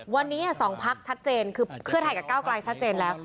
วันนี้๒พักชัดเจนคือเพื่อไทยกับก้าวกลายชัดเจนแล้ว